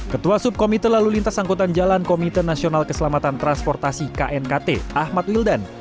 ketua subkomite lalu lintas angkutan jalan komite nasional keselamatan transportasi knkt ahmad wildan